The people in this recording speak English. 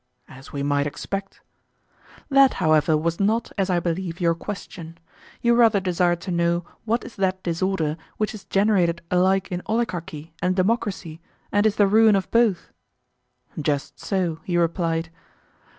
As we might expect. That, however, was not, as I believe, your question—you rather desired to know what is that disorder which is generated alike in oligarchy and democracy, and is the ruin of both? Just so, he replied.